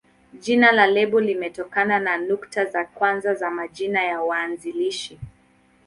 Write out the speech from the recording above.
Jina la lebo limetokana na nukta za kwanza za majina ya waanzilishi.